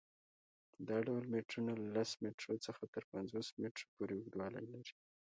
دا ډول میټرونه له لس میټرو څخه تر پنځوس میټرو پورې اوږدوالی لري.